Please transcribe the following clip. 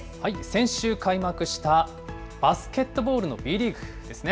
先週開幕したバスケットボールのＢリーグですね。